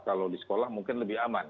kalau di sekolah mungkin lebih aman